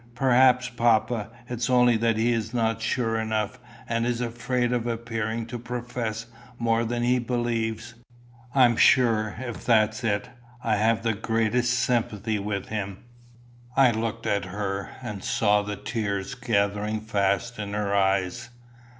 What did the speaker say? "Perhaps, papa, it's only that he's not sure enough, and is afraid of appearing to profess more than he believes. I'm sure, if that's it, I have the greatest sympathy with him." I looked at her, and saw the tears gathering fast in her eyes.